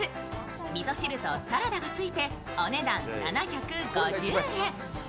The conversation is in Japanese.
味噌汁とサラダがついてお値段７５０円。